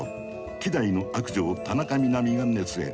希代の悪女を田中みな実が熱演。